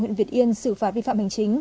huyện việt yên xử phạt vi phạm hình chính